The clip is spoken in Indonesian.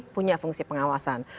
punya fungsi pengawasan